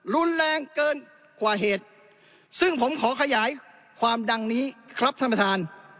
รุนแรงเกินกว่าเหตุซึ่งผมขอขยายความดังนี้ครับท่านประธาน